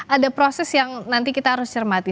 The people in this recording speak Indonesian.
ada proses yang nanti kita harus cermati